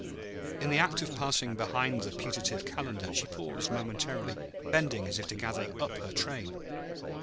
In the act of passing behind the putative Calendar, she paused momentarily, bending as if to gather up her train.